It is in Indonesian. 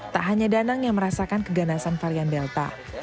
tak hanya danang yang merasakan keganasan varian delta